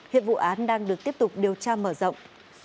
hiện vụ án đang được tiếp tục điều tra mở rộng